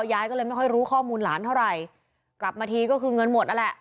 ยายก็เลยไม่ค่อยรู้ข้อมูลหลานเท่าไหร่กลับมาทีก็คือเงินหมดนั่นแหละ